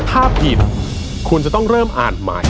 ถ้าผิดคุณจะต้องเริ่มอ่านใหม่